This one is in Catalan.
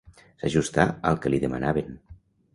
S'ajustà al que li demanaven.